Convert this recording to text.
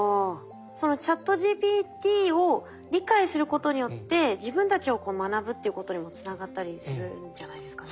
そのＣｈａｔＧＰＴを理解することによって自分たちを学ぶっていうことにもつながったりするんじゃないですかね。